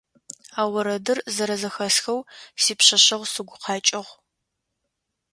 А орэдыр зэрэзэхэсхэу сипшъэшъэгъу сыгу къэкӀыгъ.